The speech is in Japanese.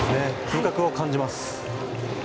風格を感じます。